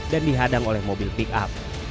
dan dihadang oleh mobil pick up